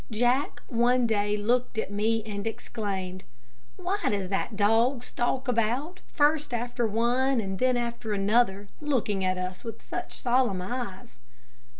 Jack one day looked at me, and exclaimed: "Why does that dog stalk about, first after one and then after another, looking at us with such solemn eyes?"